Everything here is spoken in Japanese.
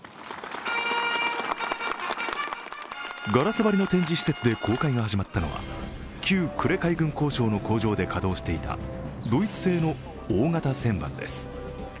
ガラス張りの展示施設で公開が始まったのは旧呉海軍工しょうの工場で稼働していたドイツ製の大型旋盤です。